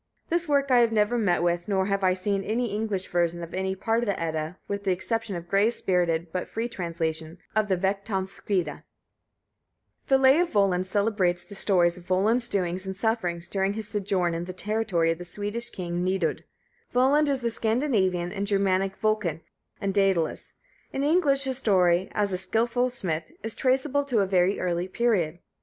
This work I have never met with; nor have I seen any English version of any part of the Edda, with the exception of Gray's spirited but free translation of the Vegtamskvida. The Lay of Volund (Volundarkvida) celebrates the story of Volund's doings and sufferings during his sojourn in the territory of the Swedish king Nidud. Volund (Ger. Wieland, Fr. Veland and Galans) is the Scandinavian and Germanic Vulcan (Hephaistos) and Dædalus. In England his story, as a skillful smith, is traceable to a very early period.